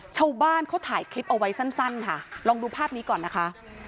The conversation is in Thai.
ชาวบ้านเขาถ่ายคลิปเอาไว้สั้นค่ะลองดูภาพนี้ก่อนนะคะ